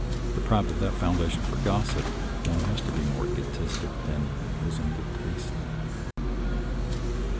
Deprived of that foundation for gossip, one has to be more egotistic than is in good taste.